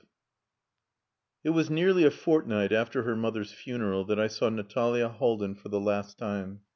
V It was nearly a fortnight after her mother's funeral that I saw Natalia Haldin for the last time.